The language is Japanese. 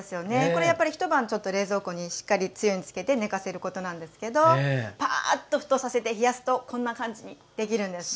これやっぱり一晩ちょっと冷蔵庫にしっかりつゆに漬けて寝かせることなんですけどパーッと沸騰させて冷やすとこんな感じにできるんです。